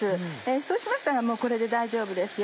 そうしましたらもうこれで大丈夫ですよ。